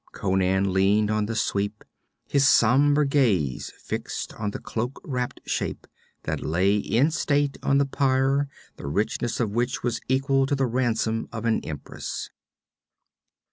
Conan leaned on the sweep, his somber gaze fixed on the cloak wrapped shape that lay in state on the pyre the richness of which was equal to the ransom of an empress.